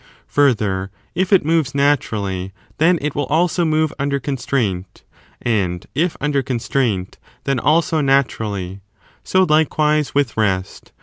Further, if it moves naturally, then it will also move under 4 constraint; and, if under constraint, then also naturally. The theory . involves So likewise with rest.